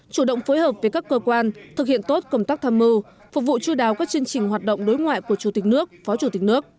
chủ động phối hợp với các cơ quan thực hiện tốt công tác tham mưu phục vụ chú đáo các chương trình hoạt động đối ngoại của chủ tịch nước phó chủ tịch nước